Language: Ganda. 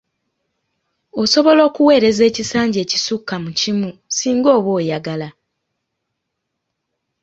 Osobola okuweereza ekisanja ekisukka mu kimu singa oba oyagala.